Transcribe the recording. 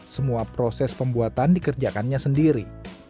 semua proses pembuatan dikerjakannya sendiri